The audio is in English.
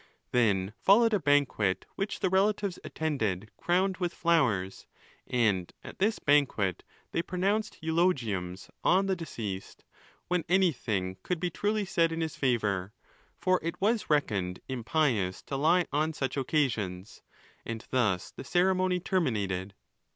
Then followed a banquet which the relatives attended crowned with flowers; and at this banquet they pronounced eulegiums on the deceased, when anything could be truly said in his favour; for it was reckoned impious éo lie on such occasions ; and thus the ceremony terminated.